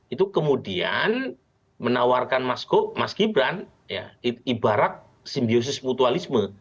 itu kemudian menawarkan mas gibran ibarat simbiosis mutualisme